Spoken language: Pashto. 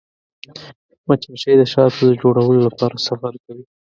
مچمچۍ د شاتو د جوړولو لپاره سفر کوي